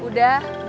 kamu udah pulang